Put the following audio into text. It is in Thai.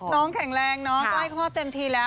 ก็ขอให้น้องแข็งแรงเนอะก้อยพ่อเต็มทีแล้ว